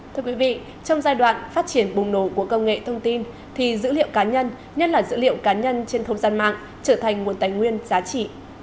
thưa quý vị trong giai đoạn phát triển bùng nổ của công nghệ thông tin thì dữ liệu cá nhân nhất là dữ liệu cá nhân trên không gian mạng trở thành nguồn tài nguyên giá trị